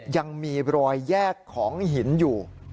ยังมีรอยแยกของหินอยู่